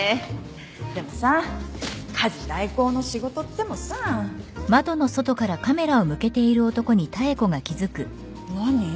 でもさ家事代行の仕事ってもさ。何？